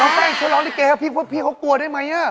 น้องแป้งชัวร์ร้อนดีเกย์ให้พี่พ่อพี่เขากลัวได้ไหม